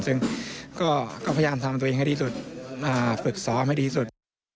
ซึ่งก็พยายามทำตัวเองให้ดีที่สุดฝึกซ้อมให้ดีสุด